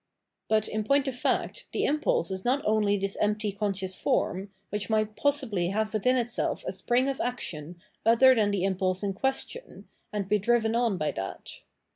But, in point of fact, the impulse is not only this empty conscious form, which might possibly have within itself a spring of action other than the impulse in question, and be driven on by that.